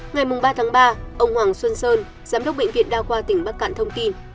ngày ba ba ông hoàng xuân sơn giám đốc bệnh viện đao khoa tỉnh bắc cạn thông tin